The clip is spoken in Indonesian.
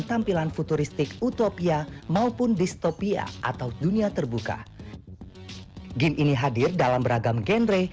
tampilan futuristik utopia maupun distopia atau dunia terbuka game ini hadir dalam beragam genre